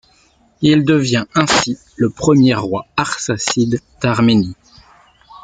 Il devient ainsi le premier roi arsacide d'Arménie.